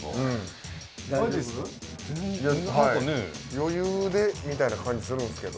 余裕でみたいな感じするんですけど。